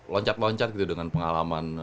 loncat loncat gitu dengan pengalaman